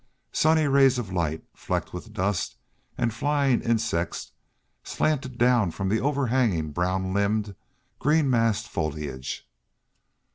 Sunny rays of light, flecked with dust and flying insects, slanted down from the overhanging brown limbed, green massed foliage.